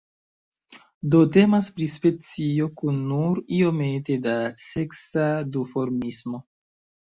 Do temas pri specio kun nur iomete da seksa duformismo.